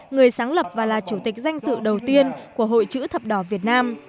người sáng lập và là chủ tịch danh sự đầu tiên của hội chữ thập đỏ việt nam